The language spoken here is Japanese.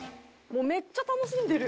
もうめっちゃ楽しんでる！